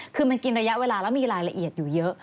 คือมันกินระยะเวลาแล้วมีรายละเอียดอยู่เยอะ